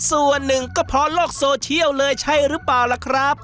ส่วนหนึ่งก็เพราะโลกโซเชียลเลยใช่หรือเปล่าล่ะครับ